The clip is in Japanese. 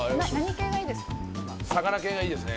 魚系がいいですね。